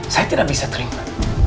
saya tidak bisa terima